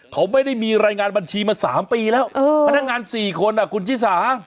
เขาไม่ได้มีรายงานบัญชีมา๓ปีแล้วพนักงาน๔คนคุณชิสา